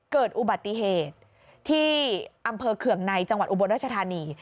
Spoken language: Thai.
เกิดอุบัติเหตุที่อำเภอเคืองในจังหวัดอุบลรัชธานี